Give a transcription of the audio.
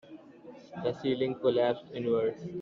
The ceiling collapsed inwards.